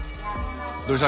どうした？